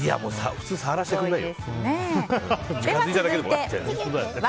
普通触らせてくれないよ。